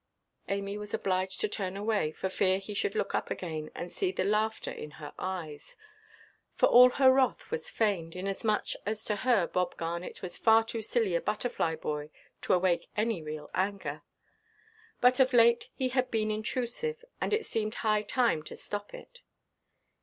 Amy was obliged to turn away, for fear he should look up again, and see the laughter in her eyes. For all her wrath was feigned, inasmuch as to her Bob Garnet was far too silly a butterfly–boy to awake any real anger. But of late he had been intrusive, and it seemed high time to stop it.